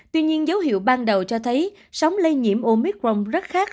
tuy nhiên dấu hiệu ban đầu cho thấy sóng lây nhiễm omicron rất khác